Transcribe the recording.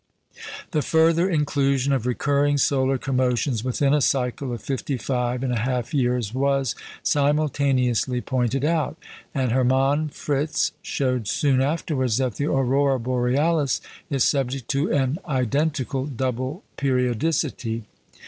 The further inclusion of recurring solar commotions within a cycle of fifty five and a half years was simultaneously pointed out; and Hermann Fritz showed soon afterwards that the aurora borealis is subject to an identical double periodicity.